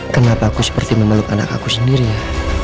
kenapa aku seperti memeluk anak aku sendiri ya